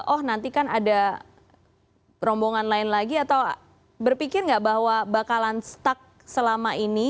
oh nanti kan ada rombongan lain lagi atau berpikir nggak bahwa bakalan stuck selama ini